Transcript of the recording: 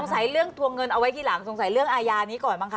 สัยเรื่องทวงเงินเอาไว้ทีหลังสงสัยเรื่องอาญานี้ก่อนบ้างคะ